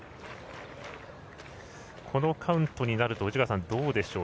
このカウントになるとどうでしょう。